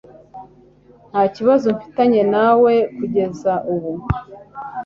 Ntakibazo mfitanye nawe kujyeza bubu.